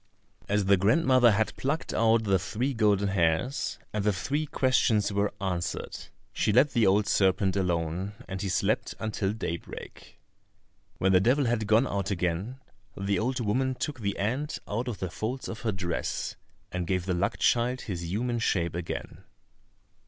As the grandmother had plucked out the three golden hairs, and the three questions were answered, she let the old serpent alone, and he slept until daybreak. When the devil had gone out again the old woman took the ant out of the folds of her dress, and gave the luck child his human shape again.